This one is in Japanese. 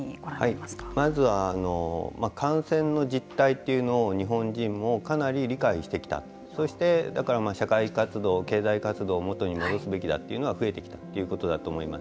まずは感染の実態というのを日本人もかなり理解してきたそして、だから社会活動経済活動を元に戻すべきだというのは増えてきたということだと思います。